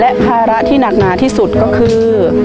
และภาระที่หนักหนาที่สุดก็คือ